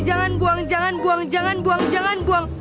jangan buang jangan buang jangan buang jangan buang